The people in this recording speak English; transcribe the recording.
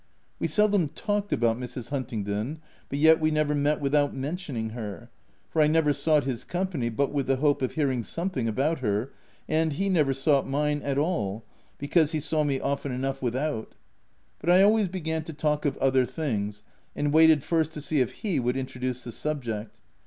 We seldom talked about Mrs. Huntingdon ; but yet w T e never met with out mentioning her, for I never sought his company but with the hope of hearing some thing about her, and he never sought mine at 11, because he saw me often enough without. OF WILDFELL HALL. 229 But I always began to talk of other things, and waited first to see if he would introduce the subject.